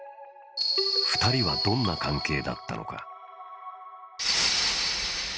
２人はどんな関係だったのか。